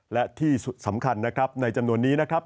และที่สำคัญนะครับในจำนวนนี้นะครับ